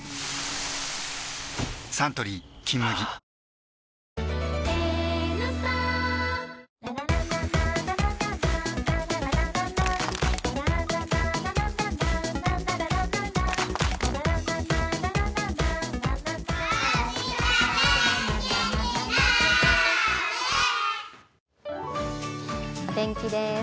サントリー「金麦」お天気です。